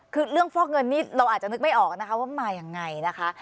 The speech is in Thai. คือเรื่องฟอกเงินนี่เราอาจจะนึกไม่ออกนะคะว่ามายังไงนะคะ